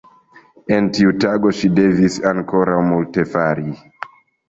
En tiu tago ŝi devis ankoraŭ multe fari.